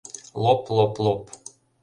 лоп-лоп-лоп